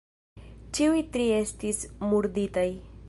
Ĉiuj tri estis murditaj.